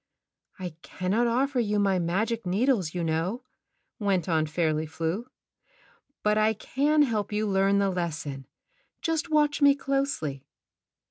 "I cannot offer you my magic needles you know," went on Fairly Flew; "but I can help you learn the lesson. Just watch me closely."